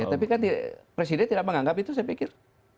tapi kan presiden tidak menganggap itu saya pikir